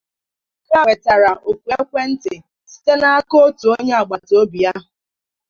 mana ya nwetara òkù ekwentị site n'aka otu onye agbataobi ya